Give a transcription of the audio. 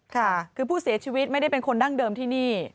ค่ะคือผู้เสียชีวิตไม่ได้เป็นคนดั้งเดิมที่นี่